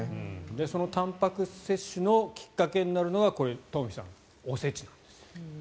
そのたんぱく質摂取のきっかけになるのが東輝さん、お節なんです。